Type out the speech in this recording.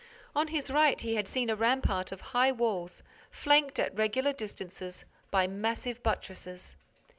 On his right, he had seen a rampart of high walls, flanked, at regular distances, by massive buttresses.